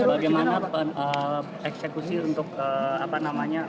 bagaimana eksekusi untuk apa namanya